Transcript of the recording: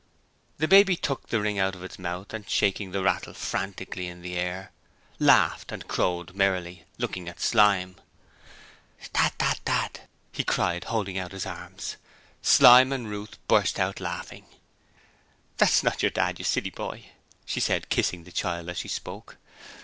The baby took the ring out of its mouth and shaking the rattle frantically in the air laughed and crowed merrily, looking at Slyme. 'Dad! Dad! Dad!' he cried, holding out his arms. Slyme and Ruth burst out laughing. 'That's not your Dad, you silly boy,' she said, kissing the child as she spoke.